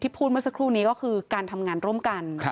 พูดเมื่อสักครู่นี้ก็คือการทำงานร่วมกัน